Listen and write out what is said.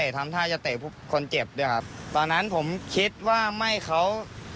ตอนนั้นผมคิดว่าไม่เค้า